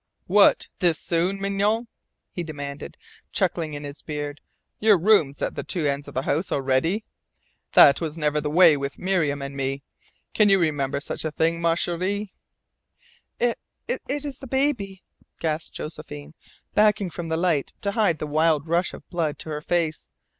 "What! this soon, Mignonne?" he demanded, chuckling in his beard. "Your rooms at the two ends of the house already! That was never the way with Miriam and me. Can you remember such a thing, Ma Cheri?" "It it is the baby," gasped Josephine, backing from the light to hide the wild rush of blood to her face.